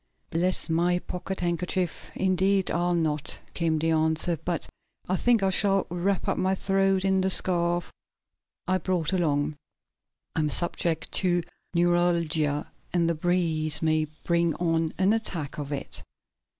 "Bless my pocket handkerchief, indeed I'll not," came the answer. "But I think I shall wrap up my throat in the scarf I brought along. I am subject to neuralgia, and the breeze may bring on an attack of it."